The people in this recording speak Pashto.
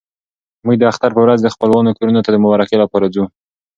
موږ د اختر په ورځ د خپلوانو کورونو ته د مبارکۍ لپاره ځو.